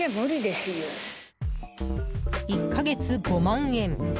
１か月５万円。